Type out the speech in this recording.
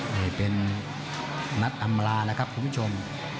นี่เป็นนัดอำลานะครับคุณผู้ชม